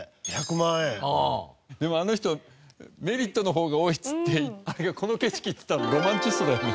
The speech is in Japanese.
でもあの人メリットの方が多いっつって「この景色」っつったのロマンチストだよね。